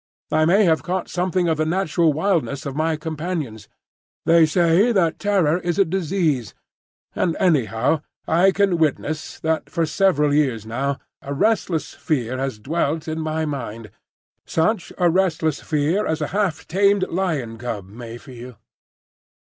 I may have caught something of the natural wildness of my companions. They say that terror is a disease, and anyhow I can witness that for several years now a restless fear has dwelt in my mind,—such a restless fear as a half tamed lion cub may feel.